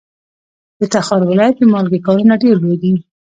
د تخار ولایت د مالګې کانونه ډیر لوی دي.